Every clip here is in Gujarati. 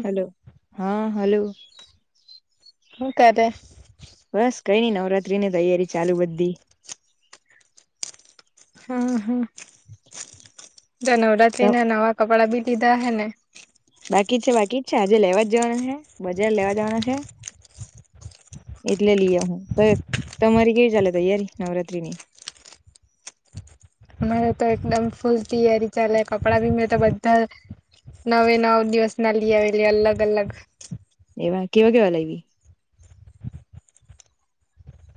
હલો હા હલો હું કરે બસ કઈ નઈ નવરાત્રી ની તૈયારી ચાલુ બધી હા હા [inaudible] તો નવરાત્રીના નવા કપડાં બી દીધા હે ને બાકી છે બાકી જ છે આજે લેવા જ જવાના છે બજાર લેવા જવાના છે એટલે લીઆ હું ત તમારી કેવી ચાલે તૈયારી નવરાત્રીની અમારે તો એકદમ ફૂલ તિયારી ચાલે કપડાં બી મેં તો બધા નવે નવ દિવસ ના લી આવેલી અલગ અલગ એવા કેવા કેવા લાઈવી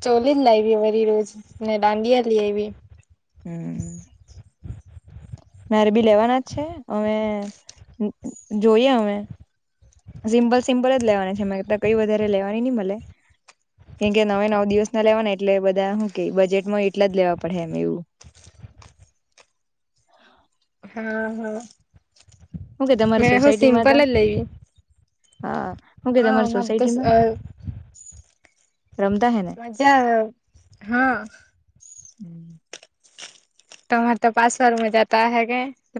ચોલી જ લાઈવી વરી રોજ ને દાંડિયા જ લઈ આવી હમ મારે બી લેવાના જ છે અમે જોઈએ અમે સિમ્પલ સિમ્પલ જ લેવાની છે મારે તો કઈ વધારે લેવાની નહી મલે કેમ કે નવે નવ દિવસ ના લેવાના એટલે બધા હું કે બજેટમાં એટલા જ લેવા પડે એમ એવું [inaudible] હા હું કે તમારી મેં હું સોસાયટી માં ત સિમ્પલ જ લેવી હા શું કે હા તમારી અમારે તો સોસાયટીમાં રમતા હે ને મજા હા તમારે તો પાસવારમાં જતા હે કે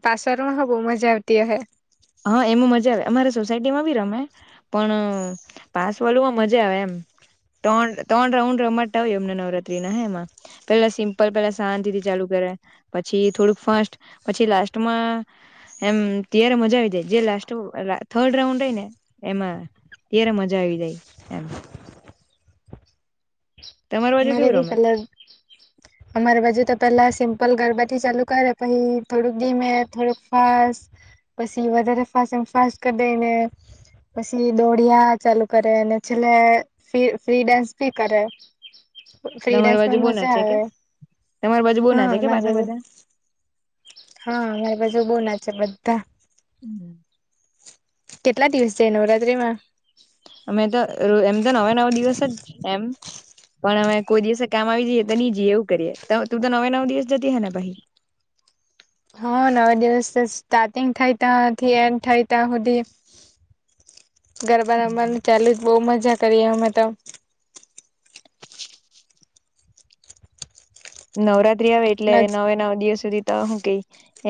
પાસવારમાં હ બ મજા આવતી હ હા એમ મજા આવે અમારે સોસાયટી માં બી રમે પણ પાસ વાળુંમાં મજા આવે એમ ત્રણ ત્રણ રાઉન્ડ રમાતા હોય એમને નવરાત્રી ના હ એમાં પેલા સિમ્પલ પેલા શાંતિ થી ચાલુ કર પછી થોડુંક ફાસ પછી લાસ્ટમાં એમ ત્યારે મજા આવી જે લાસ થર્ડ રાઉન્ડય ને એમાં ત્યારે મજા આવી જાય એમ તમારી બાજુ અમારે કેવું ભી રમે કલ અમારે બાજુ તો પેલા સિમ્પલ ગરબાથી ચાલુ કરે પછી થોડુંક ધીમે થોડુંક ફાસ્ટ પછી હ ર ફ ફાસ ક દેને પછી દોડિયા ચાલુ કરે અને છેલ્લે ફ્રી ડાન્સ ભી કરે ફ્રી તમારી બાજુ ડાન્સમાં બો ના મજા છે કે આવે તમારે બજબુ હા ના છે કે અમારી પાછા બાજુ બધા હા અમારી પાસે બહ ના બધા હમ કેટલા દિવસ જાય નવરાત્રીમાં અમે તો એમ તો નવા નવા દિવસ જ એમ પણ અમે કોઈ દિવસે કામ આવી જઈએ તો નહી જઈએ એવું કરીએ તું તો નવે નવ દિવસ જતી હે ને ભાઈ [inaudible] હા નવા દિવસ સ્ટાર્ટિંગ થઈ ત્યા એન્ડ થાય ત્યાં સુધી ગરબા રમવાની ચા જ બહુ મજા કરીએ અમે તો નવરાત્રી આવે એટલે નજ નવે નવ દિવસ સુધી હું કઈ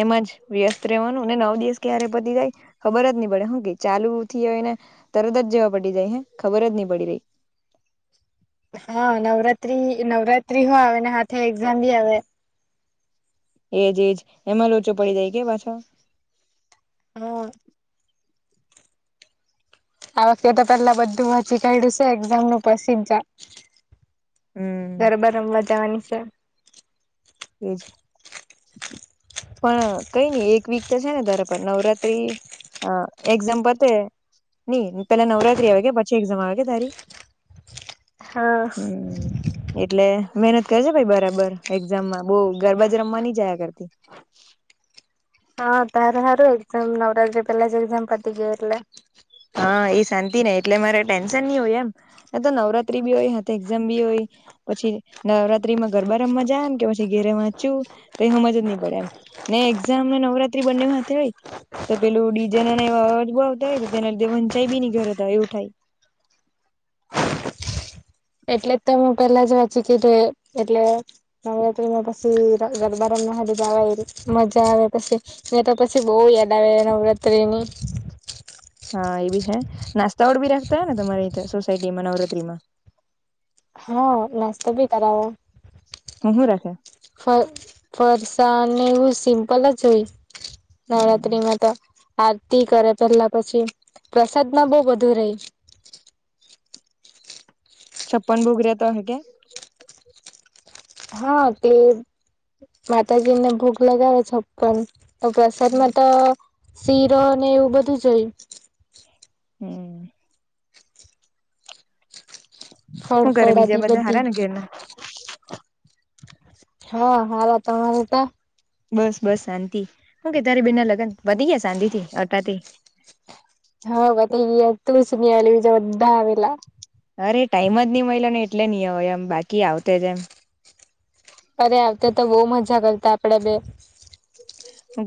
એમ જ વ્યસ્ત રહેવાનું ને નવ દિવસ ક્યારે પતી જાય ખબર જ નહી પડે હું ક ચ ચાલુ થીને તરત જ જેવા પડી જાય હ ખબર જ નહી પડી રહી [inaudible] હા નવરાત્ર્રી નવરાત્ર્રી હો આવેને હાથે એક્ઝામ ભી આવે એજ એજ એમાં લોચો પડી જાય કે પાછો હાં આ વખતે તો પેલા બધું વાંચી કા્યું છે એક્ઝામ નું પ્રસિજ હમ ઘરબર રમવા જવાની છે હમ પણ કઈ નઈ એક વીક તો છે ને તારે પણ નવરાત્રી હ એક્ઝામ પતે નઈ પેલા નવરાત્રી આવે કે પચ્ચી એઝામ આવે કે તારી હા હમ એટલે મહેનત કરજ ભાઈ બરાબર એક્ઝામમાં બહ ગરબા જ રમવા નની જાય કરતી હા તાર હારું એામ નવરાત્ર્રી પહેલા જ એામ પતી ગ એરલે હા એ શાંતિ નહ એટલે મારે ટેન્શન નહી હોય એમ તો નવરાત્રી બી હોય હ એક્ઝામ બી હોય પછી નવરાત્રી માં ગરબા રમમાંજા એમ કે પછી ઘેરે વાંચું કઈ સમજ જ નઈ પડે એમ નને એક્ઝામને નવરાત્રી બંને હાથે હોય તો પેલું ડીજા ના બ આવતા હોય તેના લીધે વંચાઈ બીની ઘર હતા એવું થાય એટલે તો મેું પેલા જ વાંચી કીધું એ એટલે નવરાત્રીમાં પછી ગરબાર જવા એ મજા આવે પછી યા તો પછી બહુ યાદ આવે નવરાત્રીની હા એ બી છે નાસ્તાઓડ બી રાખતા હોય ને તમારે સોસાયટીમાં નવરાત્રીમાં હા નાસ્તો ભી કરાવો હહ રાખે ફ ફરસાને એવું સિમ્પલ જ હોય નવરાત્રત્રિમાં તો આરતી કરે પેલા પછી પ્રસાદમાં બહ બુ રહી [unintelligible] છપ્પન બોગ રહ્યા હતા કે હા તે માતાજી ને ભોગ લગાવે છપ્પન તો પ્રસાદમાં તો શીરો ને એવું બધું જોયું હમ શું કરે બીજા ફળફળાદી બધા બધી હરા ને ઘને હા હાાલ અરે ત બસ બસ શાંતિ હ કે તારી બેના લગન વધી ગયા શાંતિથી અટાથી હા બધ તું સુ બીજા બધા આવેલા અરે ટાઈમ જ નહ મળિલો ને એટલે નહ હોય એમ બાકી આવતે જ એમ અરે આવતા તો બહુ મજા કરતા આપડે બે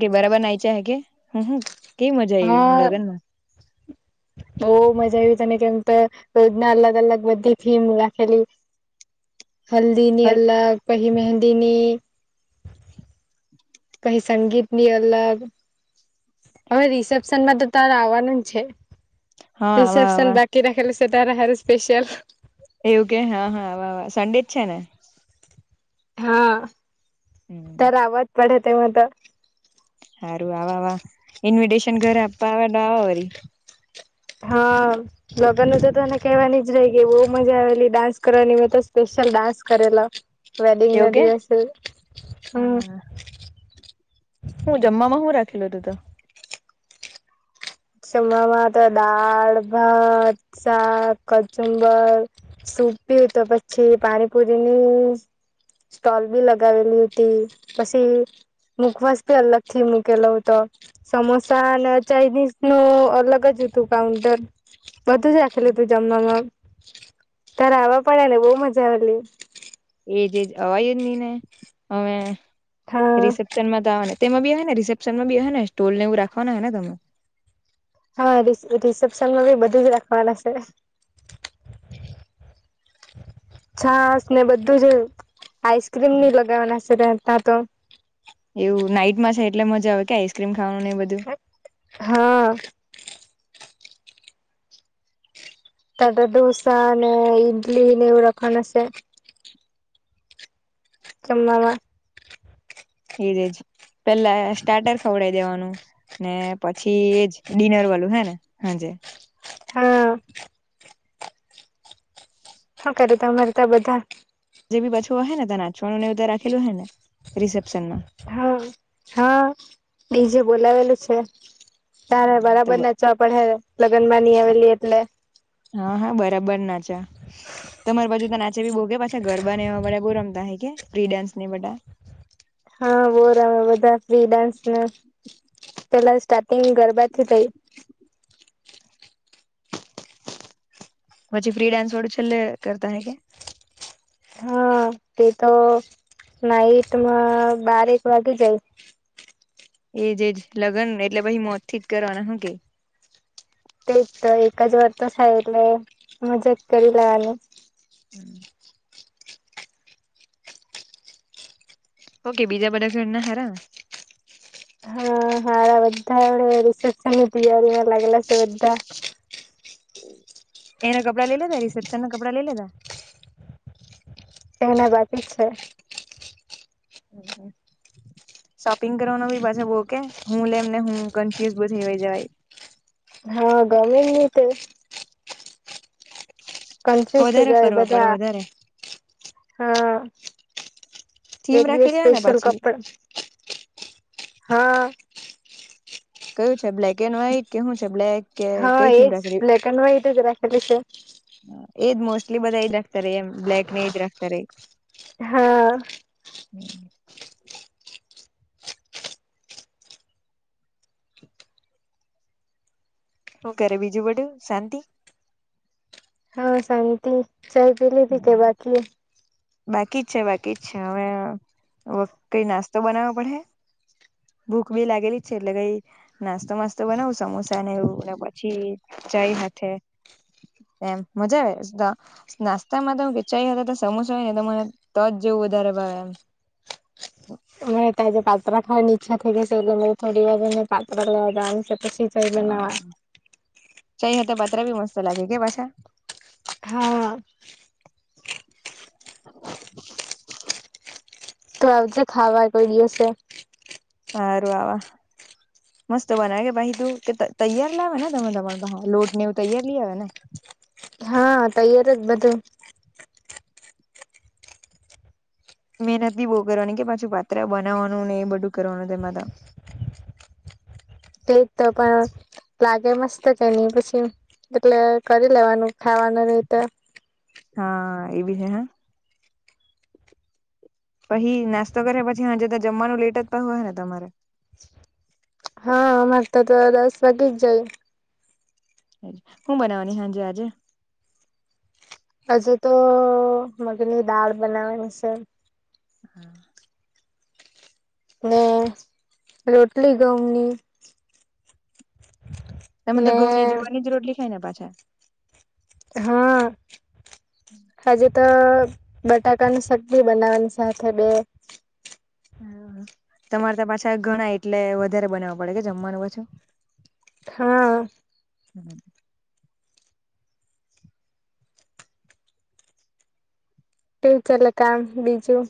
કે બરાબર નાયચા હે કે હ હ કેવી મજા આવીવી લગ્નમાં બ મજા આવી તને કેમ તો રોજના અલગ અલગ બધી થીમ રાખેલી હલ્દીની હલ અલગ પહી મહેંદીની કઈ સંગીતની અલગ હવે રિસેપ્શન માં તો તાર આવવાનું જ છે હા આવા રિસેપસન આવા બાકી રાખે સટ હારે સ્પેશલ એવું કે હા હા સડેજ છે ને હા હમ તવાત પડે તેમાં તો સારું આવા વા ઇન્વિટેશન ઘરે આપવા આવે વાળ હા લોકોને તો તને કેહેવાની જ રહી કે બહુ મજા આવેલી ડાન્સ કરવાની તો સ્પ લ ડાન્સ કરેલા વેડિંગ એવું ના કે દિવસ હમ હા હું જમમાં શું રાખેલો હતો તો જમમાં તો દાળ ભાત શાક કચુંબર ડૂભી તો પછી પાણીપુરી ની સ્ટોલ બી લગાવેલી હતી પછી મુૂકવાસ્થી અલગ થી મૂકેલો તો સમોસા અને ચાઇનીઝ નું અલગ જ હતું કાઉન્ટર બધું જ રાખેલું તું જમવામાં તાર આવવા પડેને બહુ મજા આવેલી એજ એજ અવાજ જ ની ને અમે હા રિસેપ્શન માં તો આવવાને તેમાં બી હ ને રિસેપ્શન માં બી હ ને સ્ટોલ ને એવું રાખવાના હો ને તમે હા રિસેપ્શનમાં બી બધું જ રાખવાના છે છાસ ને બધું જ આઈસક્રીમ ન લગાવના સ ત્યા તો એવું નાઈટમાં છે એટલે મજા આવે કે આઈસ્ક્રીમ ખાવાનું ને એ બધું હા ટાટા ડોસા ને ઇડલી નેવ રાખણશે કેમામાં એજ પેલા સ્ટાર્ટર ખવડઈ દેવાનું ને પછી એજ િનર વાલું હે ને હાજ હા હા કરતા મરતા બધા બી બચવો હોય ને નાંચવાનું ને બધ રાખેલું હો ને રિસેપ્શનમાં હા હા બીજે બોલાવેલું છે તારે તો બરાબર ના ચો પણ હે લગ્ન ની આવેલી એટલે હા હા બરાબર નાચા તમારી બાજુ તો નાચે બી બહુ કે પછા ગરાને એવાા બહુ રમતા હે કે ફ્રી ડાન્સ ને બા હા બોરામે બધા ફ્રી ડાન્સને પેલા સ્ટાર્ટિંગ ગરબાથી થઈ પછી ફ્રી ડાન્સ વડું છેલ્લે કરતા હે કે હા, તે તો નાઇટમાં બાર એક વાગે જાય. એ જ એ લગ્ન એટલે પછી મોતથી જ કરવાના, હં. તે તો એક જ વાર, તો સાલા મજાક કરી લે. ઓકે બીજા બડાા ઘરના હરાતે તો એક જ હા, બધા રિસેપ્શનની તૈયારીમાં લાગેલા છે, બધા. એના કપડા લઈ લેતા, રિસેપ્શનના કપડા લઈ લેતા. એના બાકી છે. હમ, હમ. શોપિંગ કરવાનો પણ પાછો બહુ કે હું લઉં ને હું કન્ફ્યુઝ પણ થઈ જાઉં. હા, ગમતું નથી. કન્ફ્યુઝ થઈ વધારે જાય ફરવા પડે બધા, વધારે હા. થીમ દ-દ, એ રાખેલી હોય ને સ્પેશિયલ પાછી કપડા, હા. કયું છે બ્લેક કે વ્હાઇટ, કે શું છે? બ્લેક કે હા કોઈ થીમ એજ રાખેલી? બ્લેક એન્ડ વ્હાઈટ જ રાખેલી છે. એ જ, મોસ્ટલી બધા એ જ રાખતા. એમ, બ્લેક ને એ જ રાખતા. હા હમ. શું કરે? બીજું વડું શાંતિ. હા, શાંતિ. ચા પી લીધી કે બાકી છે? બાકી જ છે, બાકી જ છે. હવે કંઈ નાસ્તો બનાવવો પડે. ભૂખ પણ લાગેલી છે, એટલે કંઈ નાસ્તો-માસ્તો બનાવું. સમોસા ને એવું, ને પછી. કંઈ હાથે? એમ મજા આવે નાસ્તામાં તો. હા, ખીચાઈ હોય તો સમોસા હોય ને, તો જ જેવું. બહુ વધારે ભાવ, એમ. [inaudible] એમ તો જે પાત્ર ખાવાની ઈચ્છા થઈ, એટલે થોડી ભાવે ને પાત્ર લઈ દે. ખુશ થઈ બનાવે. ચા થઈ હતી. પાત્ર પણ મસ્ત લાગે, કે પાછા... હા. [inaudible] તો આખું ખાવા કરી દેશે. હા, રહેવા. મસ્ત બનાવે. કે, ભાઈ, તું તૈયાર લાવે ને? તમે પાત્રનો લોટ ને એવું તૈયાર લઈ આવે ને. હા, તૈયાર જ બધું. મહેનત પણ બહુ કરવાની. પછી પાત્ર બનાવવાનું ને એ બધું કરવાનું તેમાં. એ જ તો, પણ લાગે મસ્ત. કે નહીં, પછી? એટલે કરી લેવાનું, ખાવાના રીતે. હા એ બી છે હ પછી નાસ્તો કરે, પછી જમવાનું લેટ થતું હોય, હા ને, તમારે. હા, અમે તો દસ વાગ્યે જ જઈએ. હું બનાવવાની છું આજે. હજુ તો મગની દાળ બનાવવાની છે. હમ. ને રોટલી ઘઉંની. તમે તો ને ઘઉંની જ રોટલી ખાઓ ને પાછા. હા, હજી તો. બટાકાની શાકભાજી બનાવવાની સાથે બે. તમારે તો પાછું ઘણું, એટલે વધારે બનાવવું પડે. જમવાનું પાછું. હા. હમ. નેચરલી, કામ બીજું.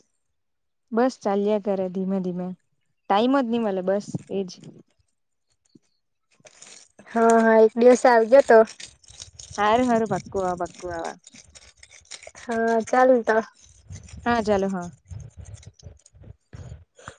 બસ ચાલ્યા કરે ધીમે ધીમે ટાઈમ જ નહી મળે બસ એજ [inaudible] હા હા એક દિવસે આવજે તો હારું [unintelligible] હા ચાલતો હા ચાલો હા